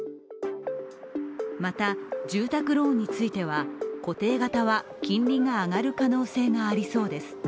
また、住宅ローンについては固定型は金利が上がる可能性がありそうです。